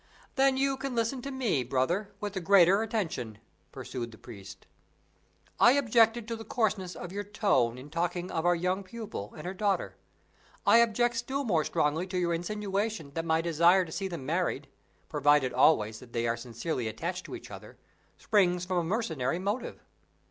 "Then you can listen to me, brother, with the greater attention," pursued the priest. "I objected to the coarseness of your tone in talking of our young pupil and your daughter; I object still more strongly to your insinuation that my desire to see them married (provided always that they are sincerely attached to each other) springs from a mercenary motive."